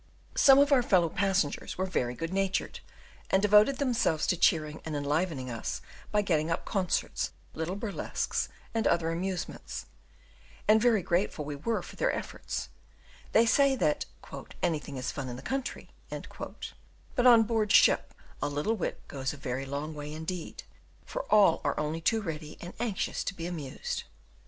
Some of our fellow passengers were very good natured, and devoted themselves to cheering and enlivening us by getting up concerts, little burlesques and other amusements; and very grateful we were for their efforts: they say that "anything is fun in the country," but on board ship a little wit goes a very long way indeed, for all are only too ready and anxious to be amused.